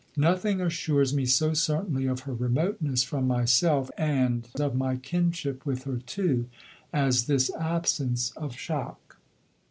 Nothing assures me so certainly of her remoteness from myself, and of my kinship with her too, as this absence of shock.